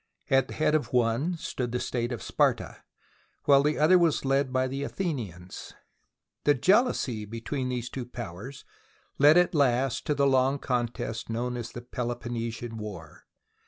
At the head of one stood the state of Sparta, while the other was led by the Athenians. The jealousy between these two powers led at last to the long contest known as the Peloponnesian War.